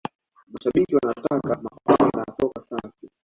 mashabiki wa nataka makombe na soka safi